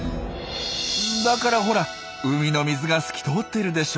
だからほら海の水が透き通ってるでしょ。